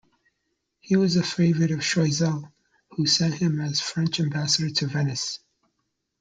He was a favourite of Choiseul, who sent him as French ambassador to Venice.